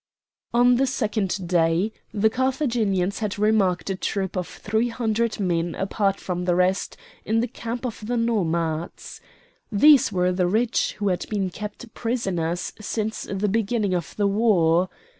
On the second day the Carthaginians had remarked a troop of three hundred men apart from the rest in the camp of the nomads. These were the rich who had been kept prisoners since the beginning of the war.